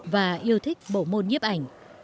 và yêu thích bổ môn nhếp ảnh